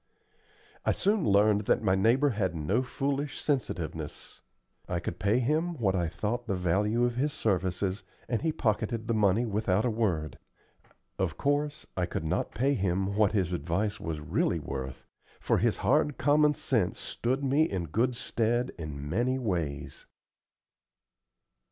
I soon learned that my neighbor had no foolish sensitiveness. I could pay him what I thought the value of his services, and he pocketed the money without a word. Of course, I could not pay him what his advice was really worth, for his hard common sense stood me in good stead in many ways.